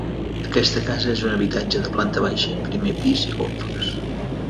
Aquesta casa és un habitatge de planta baixa, primer pis i golfes.